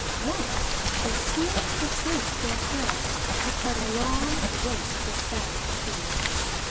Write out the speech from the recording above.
Once they seemed to sense their peril, but a long await dispelled the fear.